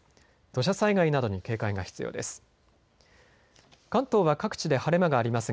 土砂災害などに警戒が必要です。